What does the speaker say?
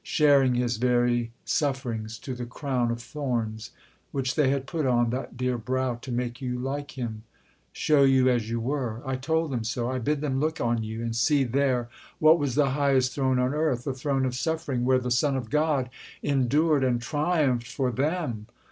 Sharing His very sufferings, to the crown Of thorns which they had put on that dear brow To make you like Him show you as you were! I told them so! I bid them look on you, And see there what was the highest throne on earth The throne of suffering, where the Son of God Endured and triumphed for them.